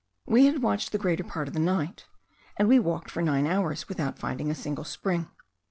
We had watched the greater part of the night, and we walked for nine hours without finding a single spring.